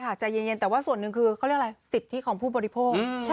ใจเย็นแต่ว่าส่วนหนึ่งคือเขาเรียกอะไรสิทธิของผู้บริโภค